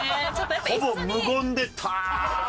ほぼ無言で。